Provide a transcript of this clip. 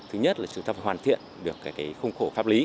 thứ nhất là chúng ta phải hoàn thiện được khung khổ pháp lý